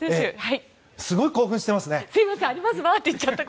すごい興奮していますね。